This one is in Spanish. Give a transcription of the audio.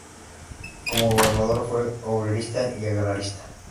Como gobernador fue obrerista y agrarista.